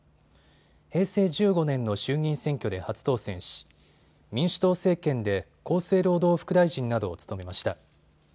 平成１５年の衆議院選挙で初当選し民主党政権で厚生労働副大臣などを務めました。